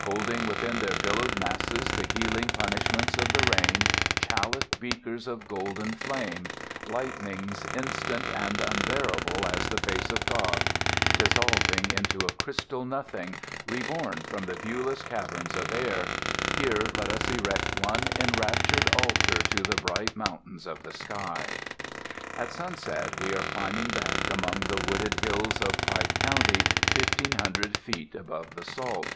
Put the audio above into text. Holding within their billowed masses the healing punishments of the rain, chaliced beakers of golden flame, lightnings instant and unbearable as the face of God—dissolving into a crystal nothing, reborn from the viewless caverns of air—here let us erect one enraptured altar to the bright mountains of the sky! At sunset we were climbing back among the wooded hills of Pike County, fifteen hundred feet above the salt.